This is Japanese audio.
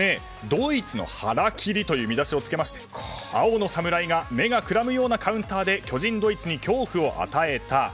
ドイツの腹切りという見出しをつけまして青の侍が目がくらむようなカウンターで巨人ドイツに恐怖を与えた。